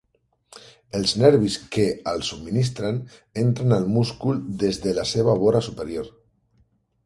Els nervis que el subministren entren al múscul des de la seva vora superior.